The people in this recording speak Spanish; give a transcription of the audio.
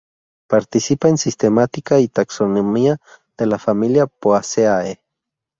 Participa en sistemática y taxonomía de la familia Poaceae.